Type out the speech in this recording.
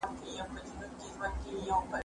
زه کولای سم شګه پاک کړم،